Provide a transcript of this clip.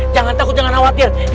jangan takut jangan khawatir